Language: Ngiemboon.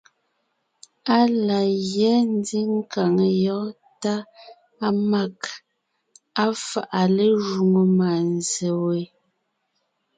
Á la gyɛ́ zíŋ kàŋ yɔɔn tà á mâg, á fáʼa lé jwoŋo mânzse we,